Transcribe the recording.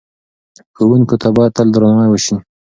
ښوونکو ته باید تل درناوی وسي.